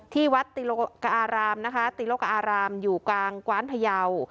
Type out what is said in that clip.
ที่วัดติโลกอารามนะคะตีโลกอารามอยู่กลางกว้านพยาว